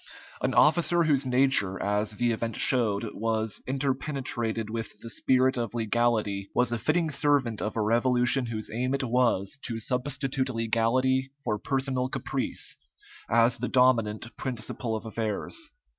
An officer whose nature, as the event showed, was interpenetrated with the spirit of legality, was a fitting servant of a revolution whose aim it was to substitute legality for personal caprice, as the dominant principle of affairs.